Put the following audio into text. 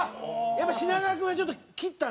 やっぱ品川君はちょっと切ったんだね